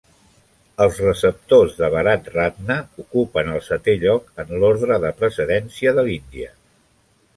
Els receptors de Bharat Ratna ocupen el setè lloc en l'ordre de precedència de l'Índia.